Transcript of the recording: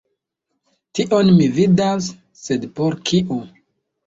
Tion mi vidas..., sed por kiu?